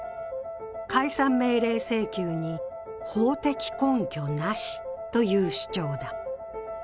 解散命令請求に法的根拠なしという主張だ。